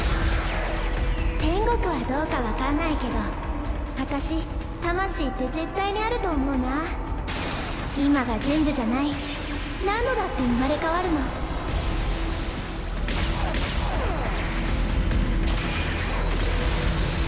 天国はどうか分かんないけど私魂って絶対にあると思うな今が全部じゃない何度だって生まれ変わるのくっ！